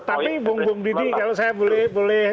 tapi bung bung didi kalau saya boleh